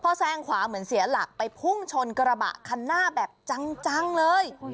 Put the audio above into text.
พอแซงขวาเหมือนเสียหลักไปพุ่งชนกระบะคันหน้าแบบจังเลย